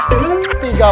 kurang lima ya